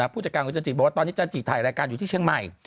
ผู้จัดการคุณจันจิบอกว่าตอนนี้จันจิถ่ายรายการอยู่ที่เชียงใหม่